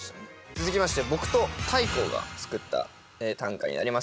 続きまして僕と大光が作った短歌になります。